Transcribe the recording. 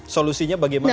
solusinya bagaimana itu